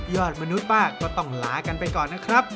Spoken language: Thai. มนุษย์ป้าก็ต้องลากันไปก่อนนะครับ